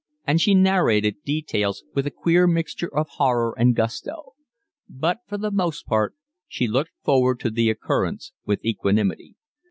and she narrated details with a queer mixture of horror and gusto; but for the most part she looked forward to the occurrence with equanimity.